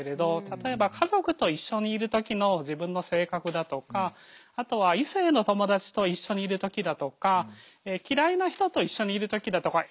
例えば家族と一緒にいる時の自分の性格だとかあとは異性の友達と一緒にいる時だとか嫌いな人と一緒にいる時だとか。